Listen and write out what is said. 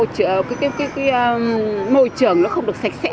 cái môi trường nó không được sạch sẽ